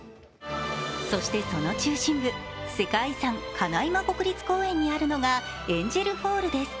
そしてその中心部、世界遺産カナイマ国立公園にあるのがエンジェルフォールです。